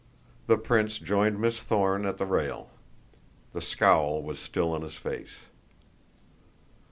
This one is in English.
The prince joined Miss Thorne at the rail. The scowl was still on his face.